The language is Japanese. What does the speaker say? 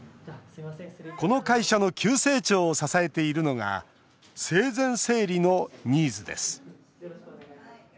この会社の急成長を支えているのが生前整理のニーズです。